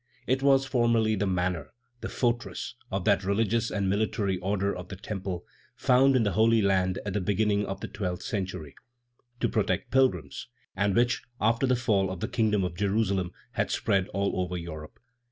It was formerly the manor, the fortress, of that religious and military Order of the Temple, founded in the Holy Land at the beginning of the twelfth century, to protect the pilgrims, and which, after the fall of the Kingdom of Jerusalem, had spread all over Europe.